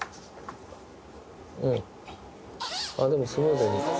うんあぁでもスムーズに。